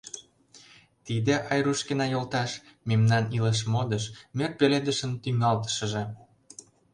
Тиде, Айрушкина йолташ, мемнан илыш-модыш, мӧр пеледышын тӱҥалтышыже.